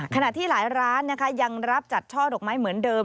ขณะที่หลายร้านยังรับจัดช่อดอกไม้เหมือนเดิม